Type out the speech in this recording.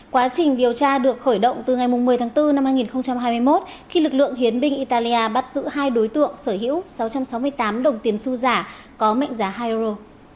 quá trình điều tra được khởi động từ ngày một mươi tháng bốn năm hai nghìn hai mươi một khi lực lượng hiến binh italia bắt giữ hai đối tượng sở hữu sáu trăm sáu mươi tám đồng tiền su giả có mệnh giá hai euro